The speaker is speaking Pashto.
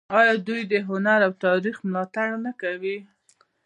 آیا دوی د هنر او تاریخ ملاتړ نه کوي؟